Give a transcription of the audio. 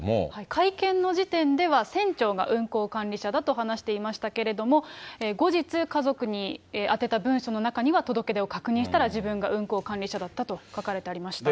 会見の時点では、船長が運航管理者だと話していましたけれども、後日、家族に宛てた文書の中には、届け出を確認したら、自分が運航管理者だったと書かれておりました。